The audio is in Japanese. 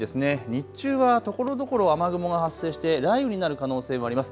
日中はところどころ雨雲が発生して雷雨になる可能性もあります。